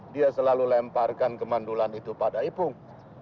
dia selalu lemparkan kemandulan itu pada ipung